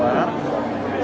keluar izin resminya